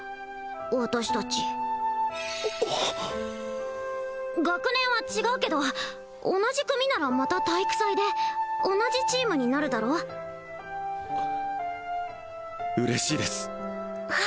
私達学年は違うけど同じ組ならまた体育祭で同じチームになるだろ嬉しいです！